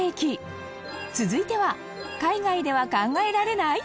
続いては「海外では考えられない！？